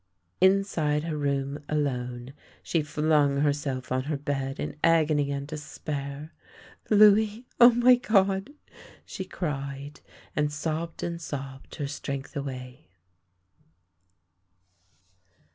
Inside her room alone, she flung herself on her bed in agony and despair. " Louis — O, my God! " she cried, and sobbed and sobbed her strength away.